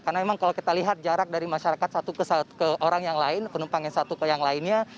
karena memang kalau kita lihat jarak dari masyarakat satu ke orang yang lain penumpang yang satu ke yang lainnya